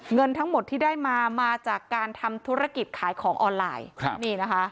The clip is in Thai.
เงินทั้งหมดที่ได้มามาจากการทำธุรกิจขายของออนไลน์ครับนี่นะคะ